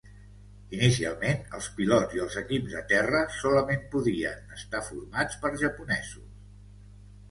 Inicialment els pilots i els equips de terra solament podien estar formats per japonesos.